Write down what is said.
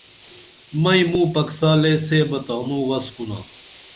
مئی موں پکسالے سے بہ تانوں وس کُنا